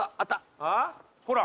はあ？ほら。